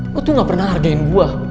lo tuh gak pernah hargain gue